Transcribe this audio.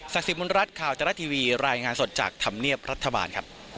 ซักสิทธิบุญรัฐค่าวจรรย์ทีวีรายงานสดจากธรรมเนียบรัฐบาล